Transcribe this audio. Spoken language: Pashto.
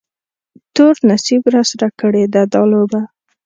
تور نصیب راسره کړې ده دا لوبه